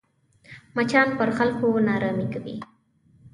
مچان پر خلکو ناارامي کوي